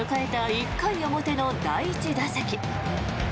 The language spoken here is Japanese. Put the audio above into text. １回表の第１打席。